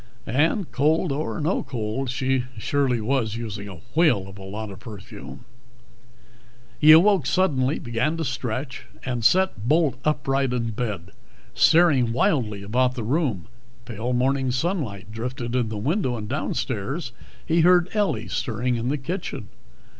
And cold or no cold, she surely was using a whale of a lot of perfume. He awoke, suddenly, began to stretch, and sat bolt upright in bed, staring wildly about the room. Pale morning sunlight drifted in the window. Downstairs he heard Ellie stirring in the kitchen.